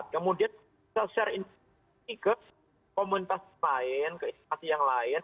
kemudian selesai ke komunitas lain keisipasi yang lain